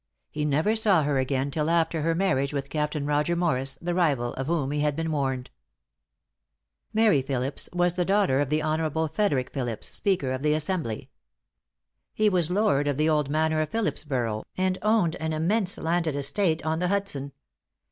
He never saw her again till after her marriage with Captain Roger Morris, the rival of whom he had been warned. Mary Philipse was the daughter of the Hon. Frederick Philipse, Speaker of the Assembly. He was lord of the old manor of Philipsborough, and owned an immense landed estate on the Hudson.